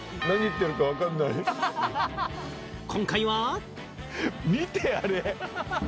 今回は。